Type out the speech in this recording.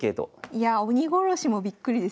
いや鬼ごろしもびっくりですね。